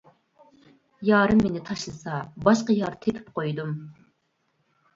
يارىم مېنى تاشلىسا، باشقا يار تېپىپ قويدۇم.